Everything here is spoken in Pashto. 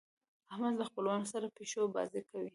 احمد له خپلوانو سره پيشو بازۍ کوي.